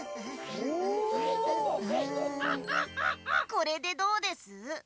これでどうです？